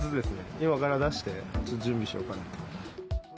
今から出して、ちょっと準備しようかなと。